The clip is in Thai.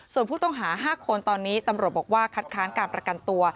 ส่วนผู้ต้องหา๕คนตอนนี้ตำรวจบอกว่าคัดค้านการประกันตัว